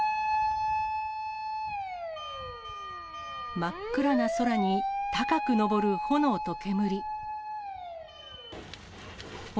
真っ暗な空に高く上る炎と煙。